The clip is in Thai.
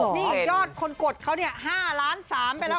นี่ยอดคนกดเขาเนี่ย๕ล้าน๓ไปแล้ว